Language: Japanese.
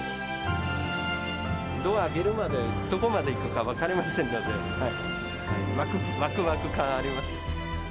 ドア開けるまで、どこまで行くか分かりませんので、わくわく感ありますよ。